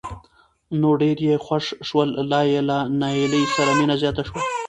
نو ډېر یې خوښ شول لا یې له نایلې سره مینه زیاته شوه.